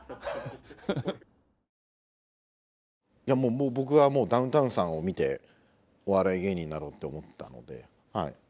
いやもう僕がダウンタウンさんを見てお笑い芸人なろうって思ったので。